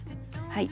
はい。